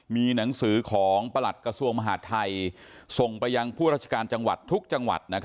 มีหนังสือของประหลัดกระทรวงมหาดไทยส่งไปยังผู้ราชการจังหวัดทุกจังหวัด